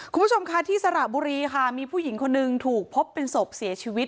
คุณผู้ชมค่ะที่สระบุรีค่ะมีผู้หญิงคนหนึ่งถูกพบเป็นศพเสียชีวิต